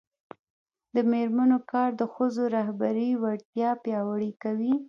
د میرمنو کار د ښځو رهبري وړتیا پیاوړې کوي.